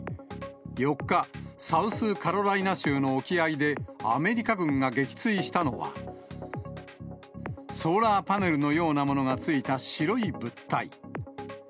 ４日、サウスカロライナ州の沖合でアメリカ軍が撃墜したのは、ソーラーパネルのようなものがついた白い物体。